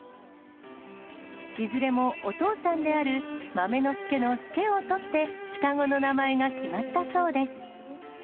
いずれもお父さんである、豆の助の助をとって、双子の名前が決まったそうです。